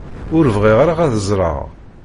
Ur bɣiɣ ara ad ẓreɣ.